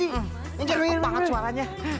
ini jadul banget suaranya